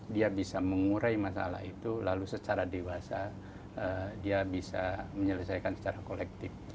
dia bisa mengurai masalah itu lalu secara dewasa dia bisa menyelesaikan secara kolektif